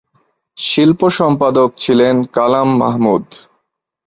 শিল্প সম্পাদক ছিলেন কালাম মাহমুদ।